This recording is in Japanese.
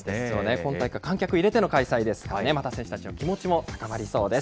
今大会、観客を入れての開催ですからね、また選手たちの気持ちも高まりそうです。